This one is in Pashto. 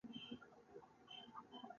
ټکنده غرمه شومه